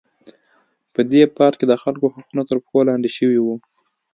په دې پارک کې د خلکو حقوق تر پښو لاندې شوي وو.